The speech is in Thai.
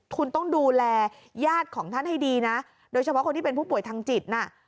คุณต้องดูแลญาติของท่านให้ดีนะโดยเฉพาะคนที่เป็นผู้ป่วยทางจิตน่ะ